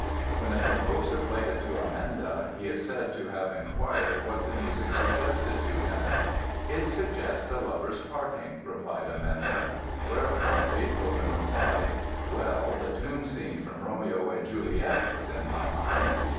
When the composer played it to Amenda he is said to have inquired what the music suggested to him. "It suggests a lover's parting," replied Amenda; whereupon Beethoven replied, "Well, the tomb scene from Romeo and Juliet was in my mind."